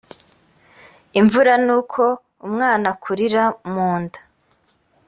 imvura n uko umwana akurira mu nda